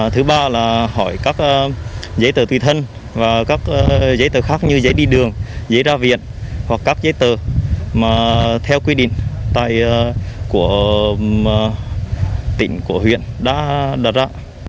thứ ba là hỏi các giấy tờ tùy thân và các giấy tờ khác như giấy đi đường giấy ra viện hoặc các giấy tờ mà theo quy định của tỉnh của huyện đã đặt ra